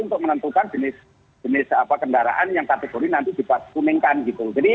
untuk menentukan jenis jenis kendaraan yang kategori nanti dipas kuningkan gitu